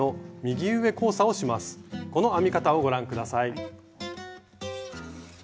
この編み方をご覧下さい。